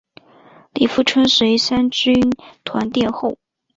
李富春随三军团殿后。